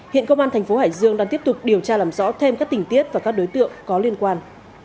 hiện công an thành phố hải dương đang tiếp tục điều tra làm rõ thêm các tình tiết và các đối tượng có liên quan